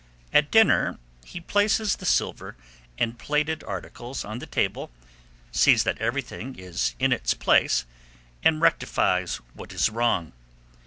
At dinner, he places the silver and plated articles on the table, sees that everything is in its place, and rectifies what is wrong.